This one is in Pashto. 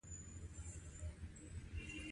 د امریکا متحده ایالتونو او کاناډا پراخه شتمني شته.